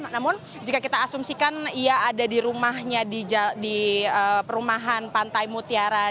namun jika kita asumsikan ia ada di rumahnya di perumahan pantai mutiara